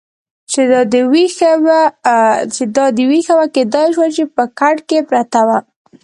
چې دا دې وېښه وه، کېدای شوه چې په کټ کې پرته وه.